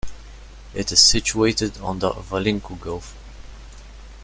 It is situated on the Valinco Gulf.